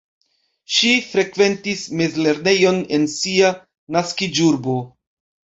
Ŝi frekventis mezlernejon en sia naskiĝurbo.